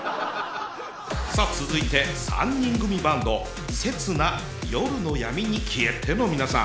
さあ続いて３人組バンド「刹那、夜の闇に消えて」の皆さん。